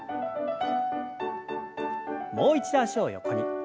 もう一度脚を横に。